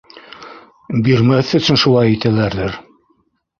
Бирмәҫ өсөн шулай итәләрҙер...